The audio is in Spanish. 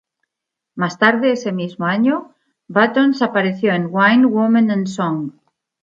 Más tarde ese mismo año, Buttons apareció en "Wine, Women and Song".